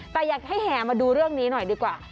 แต่อยากให้แห่มาดูเรื่องนี้หน่อยดีกว่า